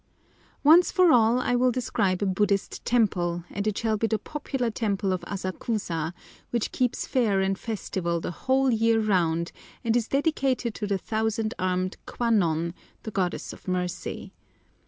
ONCE for all I will describe a Buddhist temple, and it shall be the popular temple of Asakusa, which keeps fair and festival the whole year round, and is dedicated to the "thousand armed" Kwan non, the goddess of mercy.